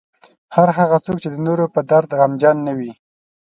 هر هغه څوک چې د نورو په درد غمجن نه وي.